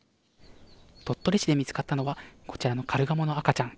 鳥取市で見つかったのはこちらのカルガモの赤ちゃん